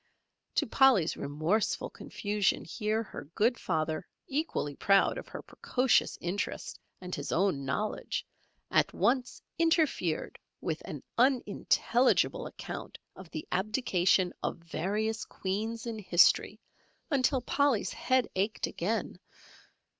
To Polly's remorseful confusion here her good father equally proud of her precocious interest and his own knowledge, at once interfered with an unintelligible account of the abdication of various Queens in history until Polly's head ached again.